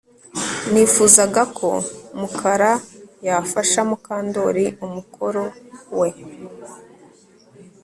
Nifuzaga ko Mukara yafasha Mukandoli umukoro we